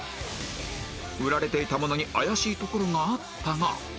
売られていたものに怪しいところがあったが